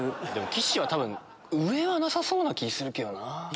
岸は多分上はなさそうな気ぃするけどな。